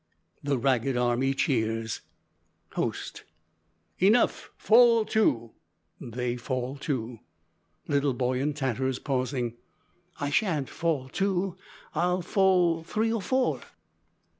(The ragged army cheers.) (Host.) "Enough. Fall to." (They fall to.) (Little boy in tatters, pausing.) "I shan't fall two, I'll fall three or four."